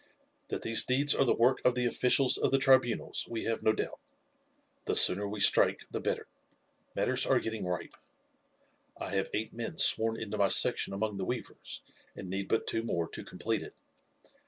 "That these deeds are the work of the officials of the tribunals we have no doubt. The sooner we strike the better. Matters are getting ripe. I have eight men sworn into my section among the weavers, and need but two more to complete it.